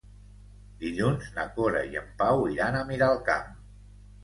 Dilluns na Cora i en Pau iran a Miralcamp.